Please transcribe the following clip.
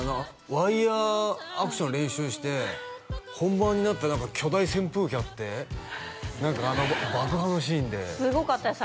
ワイヤーアクション練習して本番になったら巨大扇風機あって何か爆破のシーンですごかったです